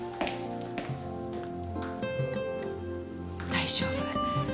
大丈夫。